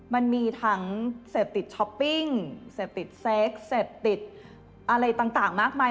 มันมีทั้งเสพติดช้อปปิ้งเสพติดเซ็กเสพติดอะไรต่างมากมาย